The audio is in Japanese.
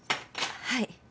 はい。